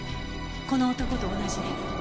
この男と同じね。